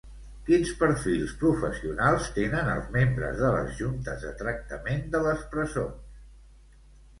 Quins perfils professionals tenen els membres de les juntes de tractament de les presons?